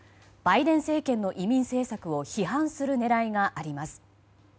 バイデン政権の移民政策を批判する狙いがあります。